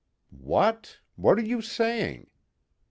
'" "What? What are you saying?"